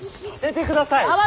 させてください。